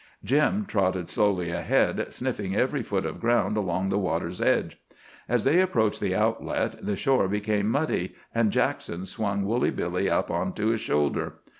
Jim trotted slowly ahead, sniffing every foot of ground along the water's edge. As they approached the outlet the shore became muddy, and Jackson swung Woolly Billy up on to his shoulder.